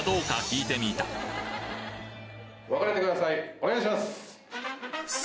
お願いします。